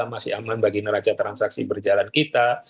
masih aman bagi neraca transaksi berjalan kita